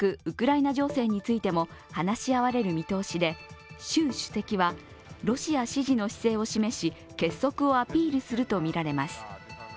ウクライナ情勢についても話し合われる見通しで習主席はロシア支持の姿勢を示し、結束をアピールするとみられます。